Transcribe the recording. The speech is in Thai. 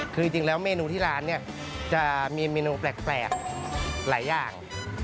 คือจริงแล้วเมนูที่ร้านเนี่ยจะมีเมนูแปลกหลายอย่าง